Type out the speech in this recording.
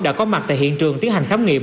đã có mặt tại hiện trường tiến hành khám nghiệm